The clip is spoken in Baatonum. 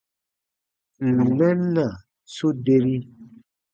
Ǹ n mɛn na, su deri.